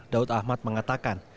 daud ahmad mengatakan